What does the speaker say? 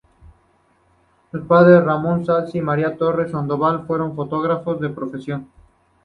Sus padres, Ramón Zalce y María Torres Sandoval, fueron fotógrafos de profesión.